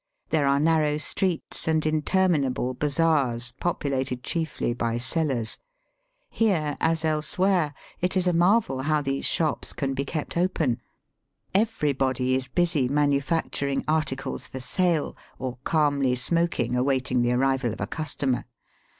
There are ^ narrow streets and inter minable bazaars populated chiefly by sellers. Here, as elsewhere, it is a marvel how these shops can be kept open. Everybody is busy manufacturing articles for sale or calmly VOL. II. 35 Digitized by VjOOQIC 242 EAST BY WEST. smoking awaiting the arrival of a customer.